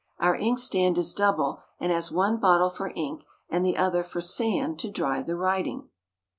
Our inkstand is double and has one bottle for ink and the other for sand to dry the writing.